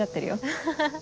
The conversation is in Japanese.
ハハハ。